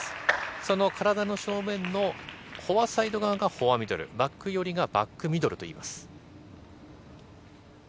その体の正面のフォアサイド側がフォアミドル、バック寄りがバックミドルといいます。